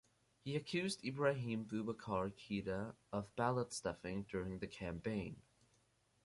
He accused Ibrahim Boubacar Keita of ballot stuffing during the campaign.